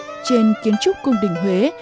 thơ văn chữ hán trên kiến trúc cung đình huế